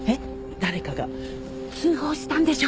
誰かが通報したんでしょ？